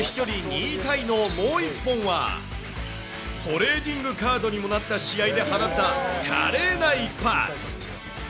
２位タイのもう１本は、トレーディングカードにもなった試合で放った華麗な一発。